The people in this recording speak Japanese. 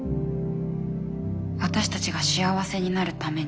私たちが幸せになるために。